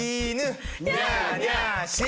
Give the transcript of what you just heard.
ニャーニャー。